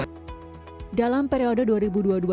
tetapi itu diaranak tapi akhirnya dipilih raka